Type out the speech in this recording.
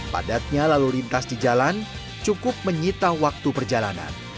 padatnya lalu lintas di jalan cukup menyita waktu perjalanan